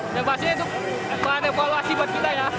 yang pasti itu bahan evaluasi buat kita ya